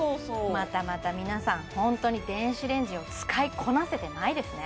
またまた皆さんホントに電子レンジを使いこなせてないですね